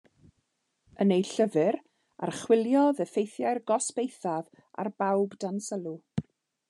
Yn ei llyfr, archwiliodd effeithiau'r gosb eithaf ar bawb dan sylw.